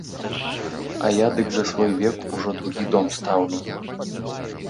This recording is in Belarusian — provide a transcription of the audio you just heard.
А я дык за свой век ужо другі дом стаўлю.